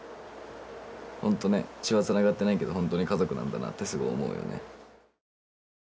ほんとね血はつながってないけどほんとに家族なんだなってすごい思うよね。